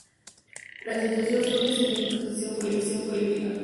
La institución surge sin ninguna adscripción política.